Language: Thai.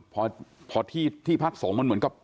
พอที่พักสมมันเหมือนกว่าโอ้โหจ้ามีงานใหญ่อะไรอย่างนี้